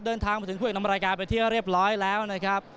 เดินทางมาถึงคู่เอกนำรายการไปที่เรียบร้อยแล้วนะครับ